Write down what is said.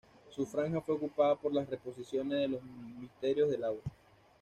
Su franja fue ocupada por las reposiciones de "Los misterios de Laura".